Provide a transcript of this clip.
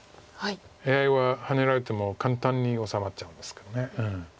ＡＩはハネられても簡単に治まっちゃうんですけど。